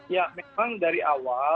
ya memang dari awal